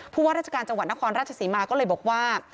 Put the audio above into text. ว่าราชการจังหวัดนครราชศรีมาก็เลยบอกว่า